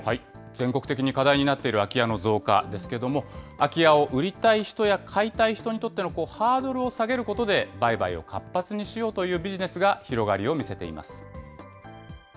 全国的に課題になっている空き家の増加ですけれども、空き家を売りたい人や買いたい人にとってのハードルを下げることで、売買を活発にしようというビジネスが広がりを見せています。